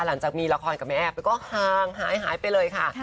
หลังจากมีละครกับแม่แอฟก็ห่างหายไปเลยค่ะ